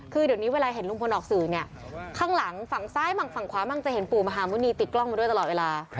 คือเดี๋ยวนี้เวลาเห็นลุงพลออกสื่อเนี่ยข้างหลังฝั่งซ้ายมั่งฝั่งขวามั่งจะเห็นปู่มหาหมุณีติดกล้องมาด้วยตลอดเวลา